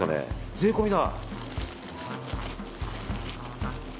税込みだ！